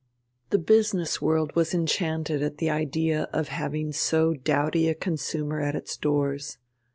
The business world was enchanted at the idea of having so doughty a consumer at its doors.